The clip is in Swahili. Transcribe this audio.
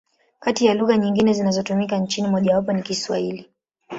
Kati ya lugha nyingine zinazotumika nchini, mojawapo ni Kiswahili.